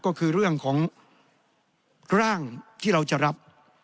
ก็คือเรื่องของร่างที่เราจะรับ